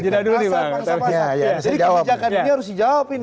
jadi kebijakan ini harus dijawab